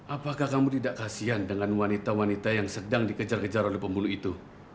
apakah kamu tidak kasian dengan wanita wanita yang sedang dikejar kejar oleh pembuluh itu